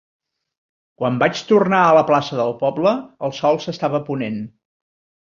Quan vaig tornar a la plaça del poble, el sol s'estava ponent.